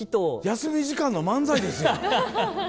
休み時間の漫才ですやん。